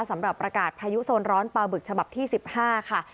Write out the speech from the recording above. สำหรับประกาศพายุโซนร้อนปลาบึกฉบับที่๑๕ค่ะ